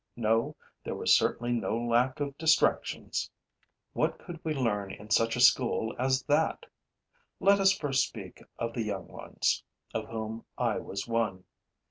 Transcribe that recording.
No, there was certainly no lack of distractions. What could we learn in such a school as that! Let us first speak of the young ones, of whom I was one.